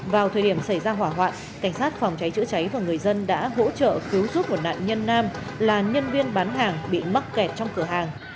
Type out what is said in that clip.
vào thời điểm xảy ra hỏa hoạn cảnh sát phòng cháy chữa cháy và người dân đã hỗ trợ cứu giúp một nạn nhân nam là nhân viên bán hàng bị mắc kẹt trong cửa hàng